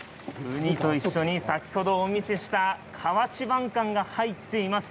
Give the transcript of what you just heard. ウニと一緒に先ほどお見せした河内晩柑が入っています。